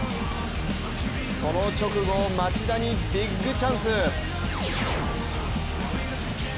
その直後、町田にビッグチャンス！